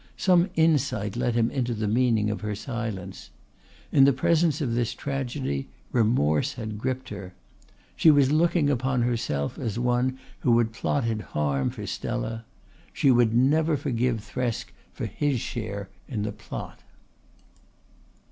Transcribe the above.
Some insight let him into the meaning of her silence. In the presence of this tragedy remorse had gripped her. She was looking upon herself as one who had plotted harm for Stella. She would never forgive Thresk for his share in the plot.